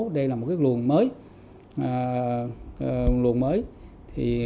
đây là một luồng mới